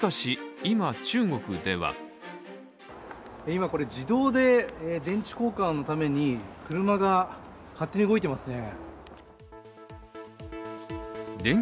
今これ、自動で電池交換のために車が勝手に動いてますね。